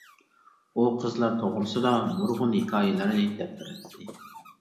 ئۇ قىزلار توغرىسىدا نۇرغۇن ھېكايىلەرنى دەپ بېرەتتى.